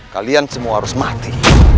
kalian semua harus mati